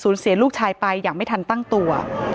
เสียลูกชายไปอย่างไม่ทันตั้งตัว